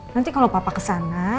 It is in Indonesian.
nanti kalau pak surya kesana